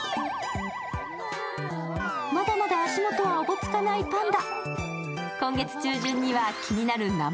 まだまだ足元はおぼつかないパンダ。